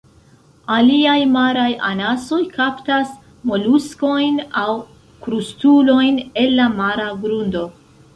Aliaj maraj anasoj kaptas moluskojn aŭ krustulojn el la mara grundo.